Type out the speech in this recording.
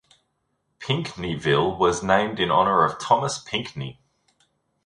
Pinckneyville was named in honor of Thomas Pinckney.